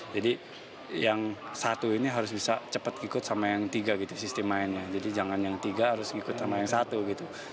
jadi yang satu ini harus bisa cepat ikut sama yang tiga gitu sistem mainnya jadi jangan yang tiga harus ikut sama yang satu gitu